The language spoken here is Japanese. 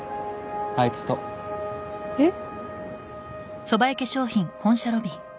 あいつとえっ？